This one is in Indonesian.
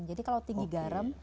jadi kalau tinggi garam